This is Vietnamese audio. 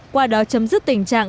qua đó chấm dứt tình trạng